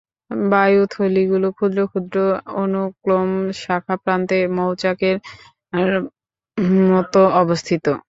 বায়ুথলিগুলো ক্ষুদ্র ক্ষুদ্র অনুক্লোম শাখাপ্রান্তে মৌচাকের মতো অবস্থিত।